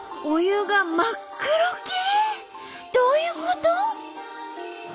どういうこと？